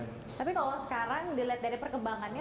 tapi kalau sekarang dilihat dari perkembangannya